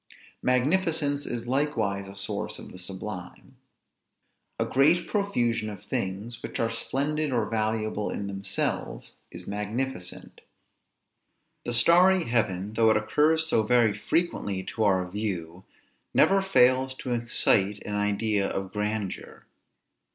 Magnificence is likewise a source of the sublime. A great profusion of things, which are splendid or valuable in themselves, is magnificent. The starry heaven, though it occurs so very frequently to our view never fails to excite an idea of grandeur.